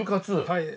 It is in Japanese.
はい。